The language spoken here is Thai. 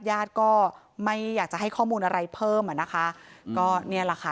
ญาติก็ไม่อยากจะให้ข้อมูลอะไรเพิ่มอ่ะนะคะก็เนี่ยแหละค่ะ